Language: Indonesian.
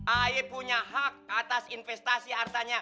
ayo punya hak atas investasi hartanya